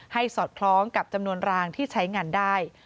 สอดคล้องกับจำนวนรางที่ใช้งานได้